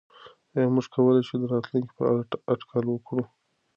آیا موږ کولای شو د راتلونکي په اړه اټکل وکړو؟